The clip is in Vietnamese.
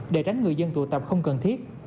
để tránh người dân tụ tập không cần thiết